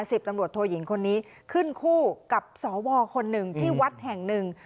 สิบตำรวจโทยิงคนนี้ขึ้นคู่กับสวคนหนึ่งที่วัดแห่งหนึ่ง